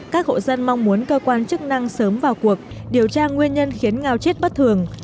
các hộ dân mong muốn cơ quan chức năng sớm vào cuộc điều tra nguyên nhân khiến ngao chết bất thường